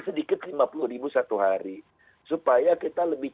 sedikit lima puluh ribu satu hari supaya kita lebih